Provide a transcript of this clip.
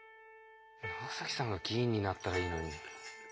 長さんが議員になったらいいのに。